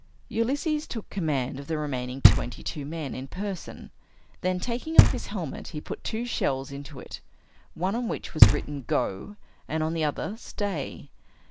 Ulysses took command of the remaining twenty two men, in person. Then, taking off his helmet, he put two shells into it, on one of which was written, "Go," and on the other "Stay."